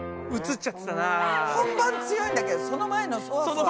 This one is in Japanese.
本番強いんだけどその前のそわそわ。